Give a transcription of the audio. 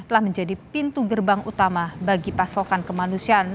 dan telah menjadi pintu gerbang utama bagi pasokan kemanusiaan